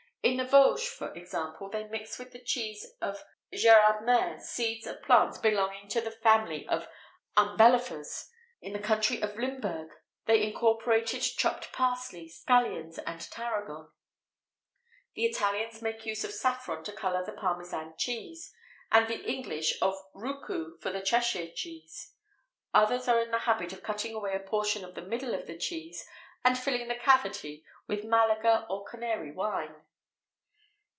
In the Vosges, for example, they mix with the cheese of Gerardmer seeds of plants belonging to the family of umbellifers; in the country of Limburg, they incorporate chopped parsley, scallions, and tarragon; the Italians make use of saffron to colour the Parmesan cheese, and the English of roucou for the Cheshire cheese. Others are in the habit of cutting away a portion of the middle of the cheese, and filling the cavity with Malaga or Canary wine.